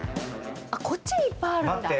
こっちにいっぱいあるんだ。